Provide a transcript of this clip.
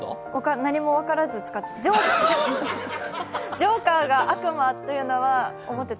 何も分からず使ってました。